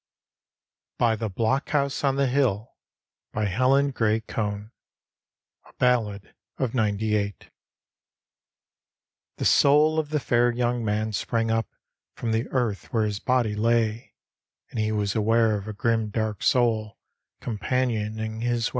BY THE BLOCKHOUSE ON THE HILL : helhn ORAY CONE A Ballad of Nmtty eigkt The soul of the fair young man sprang up From the earth where his body lay, And he was aware of a grim dark soul Companioning his way.